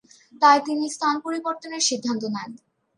তাই তিনি স্থান পরিবর্তনের সিদ্ধান্ত নেন।